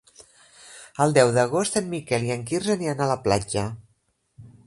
El deu d'agost en Miquel i en Quirze aniran a la platja.